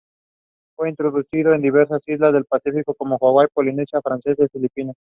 Fue introducido en diversas islas del Pacífico como Hawái, Polinesia Francesa y Filipinas.